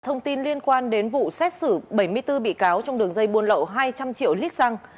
thông tin liên quan đến vụ xét xử bảy mươi bốn bị cáo trong đường dây buôn lậu hai trăm linh triệu lít xăng